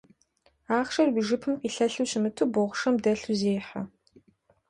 Ахъшэр уи жыпым къилъэлъу щымыту, бохъшэм дэлъу зехьэ.